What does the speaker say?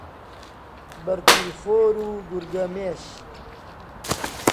بەرتیل خۆر و گورگەمێش